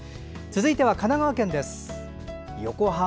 続いては神奈川県です、横浜。